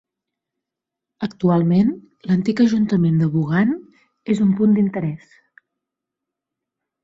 Actualment, l'antic ajuntament de Vaughan és un punt d'interès.